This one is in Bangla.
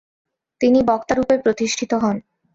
তিনি বক্তারূপে প্রতিষ্ঠিত হন।